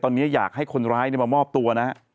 ตอนนี้อยากให้คนร้ายมามอบตัวนะฮะ